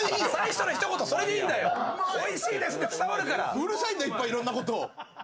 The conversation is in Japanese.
うるさいんだよ、いっぱいいろんなことを。